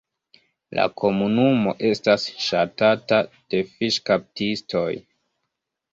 La komunumo estas ŝatata de fiŝkaptistoj.